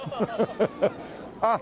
あっ！